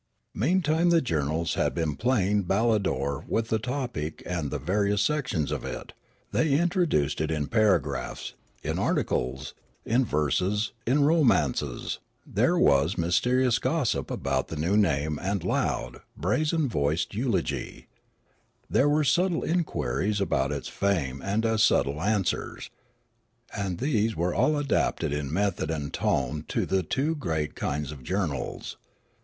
Meantime the journals had been playing battledore with the topic and the various sections of it; they intro duced it in paragraphs, in articles, in verses, in romances ; there was mysterious gossip about the new name and loud, brazen voiced eulogy ; there were subtle inquiries about its fame and as subtle answers. And these were all adapted in method and tone to the two great kinds of journals.